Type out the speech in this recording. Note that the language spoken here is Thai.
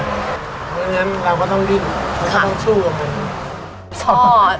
เพราะฉะนั้นเราก็ต้องดิ้นต้องสู้กับมันทอด